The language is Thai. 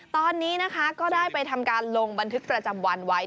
ตอนนี้นะคะก็ได้ไปทำการลงบันทึกประจำวันไว้